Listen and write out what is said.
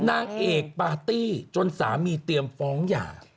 นางเอกปาร์ตี้จนสามีเตรียมฟ้องหย่า